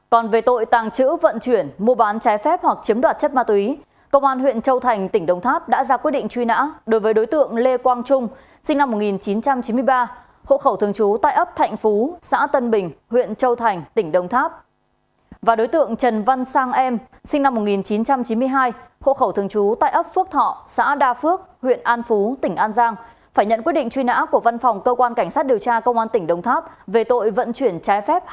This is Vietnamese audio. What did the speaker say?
còn về tội tàng trữ vận chuyển mua bán trái phép hoặc chiếm đoạt chất ma túy công an huyện châu thành tỉnh đông tháp đã ra quyết định truy nã đối với đối tượng lê quang trung sinh năm một nghìn chín trăm chín mươi ba hộ khẩu thường trú tại ấp thạnh phú xã tân bình huyện châu thành tỉnh đông tháp và đối tượng trần văn sang em sinh năm một nghìn chín trăm chín mươi hai hộ khẩu thường trú tại ấp phước thọ xã đa phước huyện an phú tỉnh an giang phải nhận quyết định truy nã của văn phòng cơ quan cảnh sát điều tra công an tỉnh đông tháp về tội vận chuyển tr